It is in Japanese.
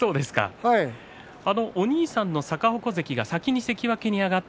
お兄さんの逆鉾関が先に関脇に上がって。